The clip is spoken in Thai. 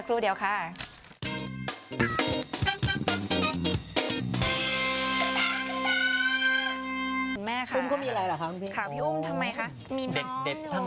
พี่แม่ค่ะ